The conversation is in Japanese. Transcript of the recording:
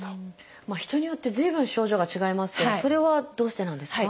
人によって随分症状が違いますけどそれはどうしてなんですか？